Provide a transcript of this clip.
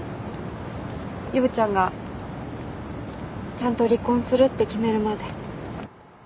陽ちゃんがちゃんと離婚するって決めるまで。